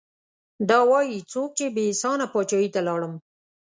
دا وايي څوک چې بې احسانه پاچاهي ته لاړم